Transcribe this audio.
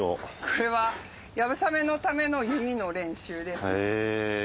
これは流鏑馬のための弓の練習ですね。